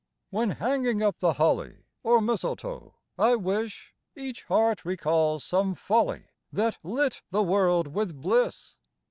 When hanging up the holly or mistletoe, I wis Each heart recalls some folly that lit the world with bliss.